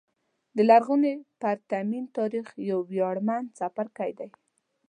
د لرغوني پرتمین تاریخ یو ویاړمن څپرکی دی.